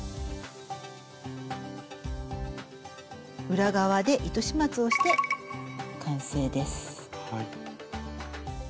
裏側で糸始末をして完成です。